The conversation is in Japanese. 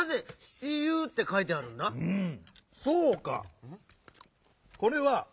うん。